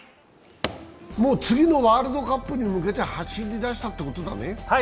もう次のワールドカップに向けて走り出したってことなんだね。